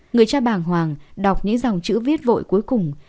người cha bàng hoàng đọc những dòng chữ viết vội cuối cùng